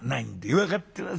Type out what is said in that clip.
「分かってます。